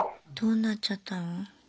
どうなっちゃったの？